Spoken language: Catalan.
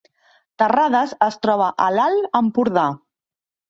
Terrades es troba a l’Alt Empordà